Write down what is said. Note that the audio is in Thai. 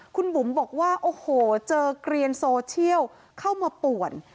คุณบุ๋มบอกว่าโอ้โหเจอเกลียนโซเชียลเข้ามาป่วน